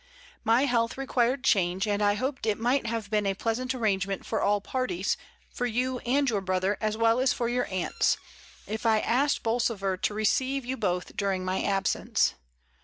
My health required change, and I hoped it might have been a pleasant arrange ment for all parties, for you and your brother as well as for your aunts, if I asked Bolsover to receive you both during my absence.